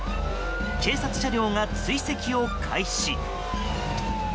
警察車両が追跡を開始。